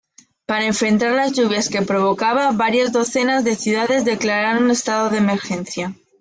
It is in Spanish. Para enfrentar las lluvias que provocaba, varias docenas de ciudades declararon estado de emergencia.